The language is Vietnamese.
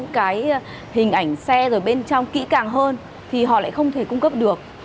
kỹ càng hơn thì họ lại không thể cung cấp được